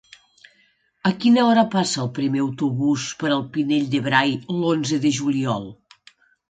A quina hora passa el primer autobús per el Pinell de Brai l'onze de juliol?